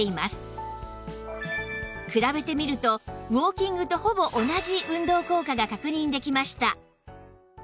比べてみるとウォーキングとほぼ同じ運動効果が確認できました